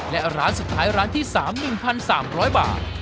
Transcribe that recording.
และร้านสุดท้ายร้านที่๓๑๓๐๐บาท